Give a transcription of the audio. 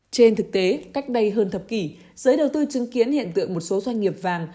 trên thực tế cách đây hơn thập kỷ giới đầu tư chứng kiến hiện tượng một số doanh nghiệp vàng